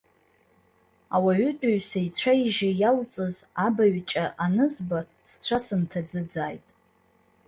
Ауаҩытәыҩса ицәа-ижьы иалҵыз абаҩ-ҷа анызба сцәа сынҭаӡыӡааит.